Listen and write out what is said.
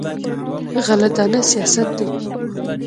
غله دانه سیاست دی.